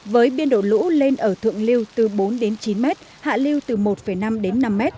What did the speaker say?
với biên độ lũ lên ở thượng lưu từ bốn chín m hạ lưu từ một năm năm m